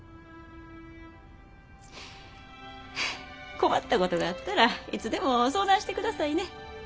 困ったことがあったらいつでも相談してくださいね。